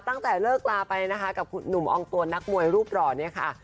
ตั้งแต่เลิกลาไปนะคะกับหนุ่มอองตัวนักมวยรูปหล่อเนี่ยค่ะ